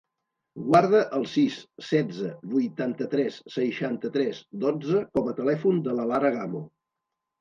Guarda el sis, setze, vuitanta-tres, seixanta-tres, dotze com a telèfon de la Lara Gamo.